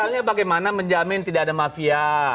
misalnya bagaimana menjamin tidak ada mafia